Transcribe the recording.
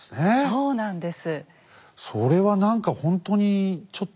そうなんです。